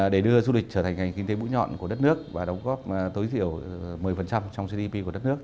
để đưa du lịch trở thành ngành kinh tế mũi nhọn của đất nước và đóng góp tối diệu một mươi trong gdp của đất nước